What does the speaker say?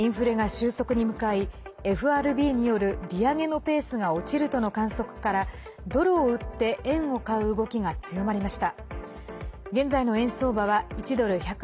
収束に向かいＦＲＢによる利上げのペースが落ちるとの観測からドルを売って円を買う動きが強まりました。